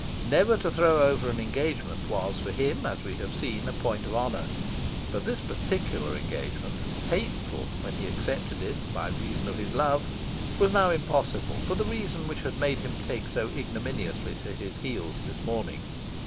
Never to throw over an engagement was for him, as we have seen, a point of honour. But this particular engagement hateful, when he accepted it, by reason of his love was now impossible for the reason which had made him take so ignominiously to his heels this morning.